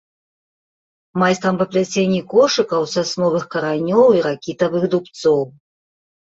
Майстрам па пляценні кошыкаў з сасновых каранёў і ракітавых дубцоў.